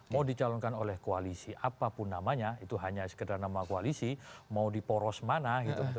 mau dicalonkan oleh koalisi apapun namanya itu hanya sekedar nama koalisi mau di poros mana gitu